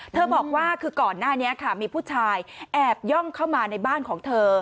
บอกว่าคือก่อนหน้านี้ค่ะมีผู้ชายแอบย่องเข้ามาในบ้านของเธอ